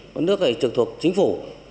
có nước thì trực thuộc chính phủ